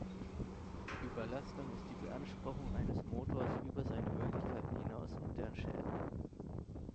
Überlastung ist die Beanspruchung eines Motors über seine Möglichkeiten hinaus und deren Schäden.